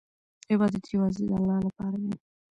عبادت یوازې د الله لپاره دی.